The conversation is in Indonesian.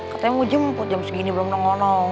katanya mau jemput jam segini belum nong nong